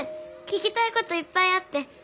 聞きたいこといっぱいあって。